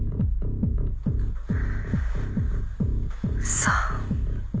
そう。